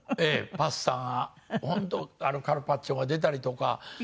パスタが本当カルパッチョが出たりとか。